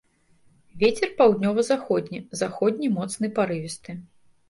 Вецер паўднёва-заходні, заходні моцны парывісты.